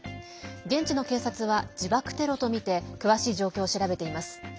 現地の警察は自爆テロとみて詳しい状況を調べています。